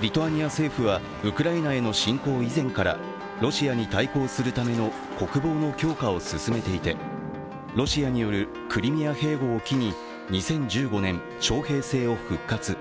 リトアニア政府はウクライナへの侵攻以前からロシアに対抗するための国防の強化を進めていて、ロシアによるクリミア併合を機に２０１５年、徴兵制を復活。